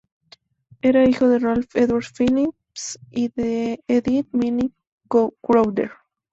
Era hijo de Ralph Edwards Phillips y de Edith Minnie Crowder.